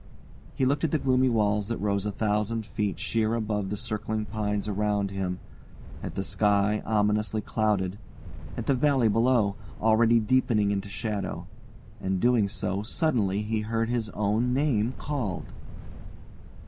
He looked at the gloomy walls that rose a thousand feet sheer above the circling pines around him; at the sky, ominously clouded; at the valley below, already deepening into shadow. And, doing so, suddenly he heard his own name called.